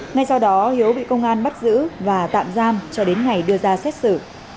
ngay sau đó hiếu bị công an bắt giữ và tạm giam cho đến ngày đưa ra xét xử